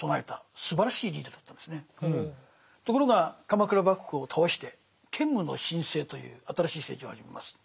ところが鎌倉幕府を倒して建武の新政という新しい政治を始めます。